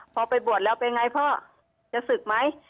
พอไปบวชแล้วเป็นไงพ่อจะศึกไหม